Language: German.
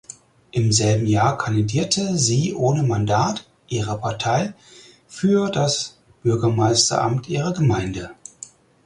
Im selben Jahr kandidierte sie ohne Mandat ihrer Partei für das Bürgermeisteramt ihrer Gemeinde.